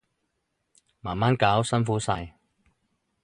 慢慢搞，辛苦晒